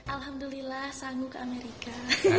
alhamdulillah sanggup ke amerika